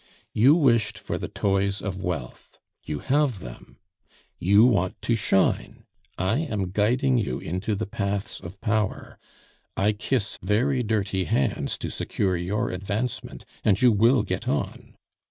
"You wished for the toys of wealth; you have them. You want to shine; I am guiding you into the paths of power, I kiss very dirty hands to secure your advancement, and you will get on.